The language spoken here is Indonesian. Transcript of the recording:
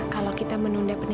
saya tidak mau di gampang